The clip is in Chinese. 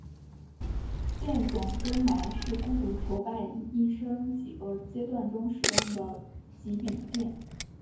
剑冢中埋的是独孤求败一生几个阶段中用过的几柄剑。